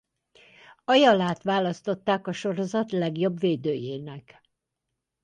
Ayalát választották a sorozat legjobb védőjének.